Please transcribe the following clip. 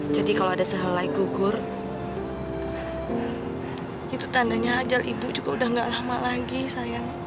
jadi kalau ada sehelai gugur itu tandanya ajal ibu juga udah gak lama lagi sayang